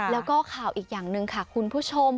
แล้วก็ข่าวอีกอย่างหนึ่งค่ะคุณผู้ชม